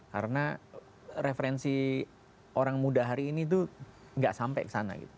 karena referensi orang muda hari ini itu nggak sampai ke sana gitu